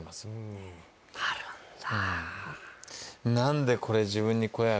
あるんだ